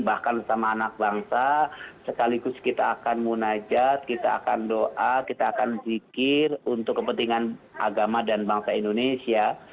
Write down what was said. bahkan sesama anak bangsa sekaligus kita akan munajat kita akan doa kita akan zikir untuk kepentingan agama dan bangsa indonesia